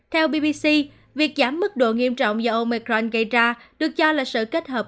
theo bbc việc giảm mức độ nghiêm trọng do omecran gây ra được cho là sự kết hợp